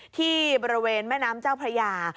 ที่บริเวณแม่น้ำเจ้าพระยา